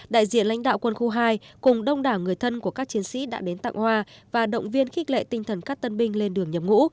đại diện lãnh đạo quân khu hai cùng đông đảo người thân của các chiến sĩ đã đến tặng hoa và động viên khích lệ tinh thần các tân binh lên đường nhập ngũ